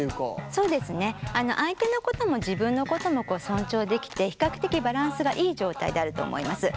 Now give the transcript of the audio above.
相手のことも自分のことも尊重できて比較的バランスがいい状態であると思います。